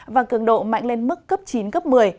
và cường độ mạnh lên mức cấp chín cấp một mươi